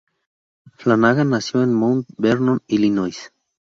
Flanagan nació en Mount Vernon, Illinois.